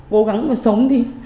cố gắng mà sống đi